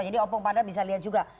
jadi opung pada bisa lihat juga